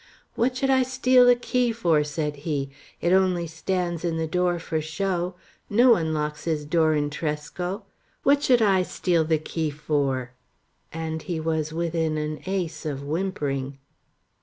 "What should I steal the key for?" said he. "It only stands in the door for show. No one locks his door in Tresco. What should I steal the key for?" and he was within an ace of whimpering.